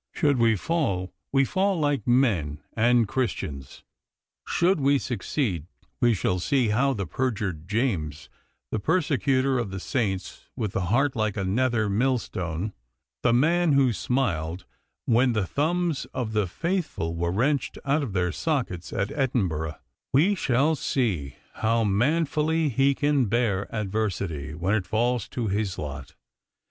Should we fall, we fall like men and Christians. Should we succeed, we shall see how the perjured James, the persecutor of the saints with the heart like a nether millstone, the man who smiled when the thumbs of the faithful were wrenched out of their sockets at Edinburgh we shall see how manfully he can bear adversity when it falls to his lot.